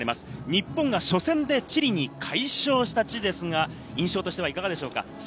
日本が初戦でチリに快勝した地ですが、印象としてはいかがですか？